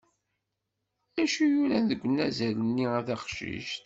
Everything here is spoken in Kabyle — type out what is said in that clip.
Acu yuran deg unazal-nni a taqcict?